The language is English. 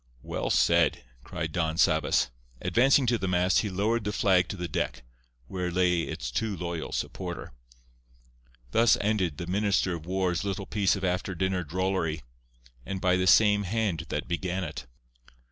"Well said," cried Don Sabas. Advancing to the mast he lowered the flag to the deck, where lay its too loyal supporter. Thus ended the Minister of War's little piece of after dinner drollery, and by the same hand that began it.